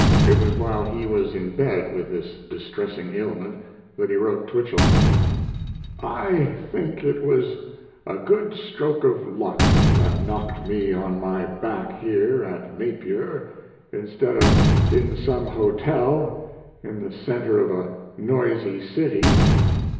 It was while he was in bed with this distressing ailment that he wrote Twichell: I think it was a good stroke of luck that knocked me on my back here at Napier instead of in some hotel in the center of a noisy city.